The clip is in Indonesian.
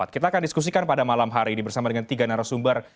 kita akan diskusikan pada malam hari ini bersama dengan tiga narasumber